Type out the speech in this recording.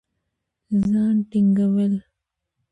ځان ټينګول